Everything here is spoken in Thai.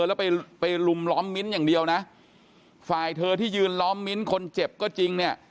แล้วไปไปลุมล้อมมิ้นอย่างเดียวนะฝ่ายเธอที่ยืนล้อมมิ้นคนเจ็บก็จริงเนี่ย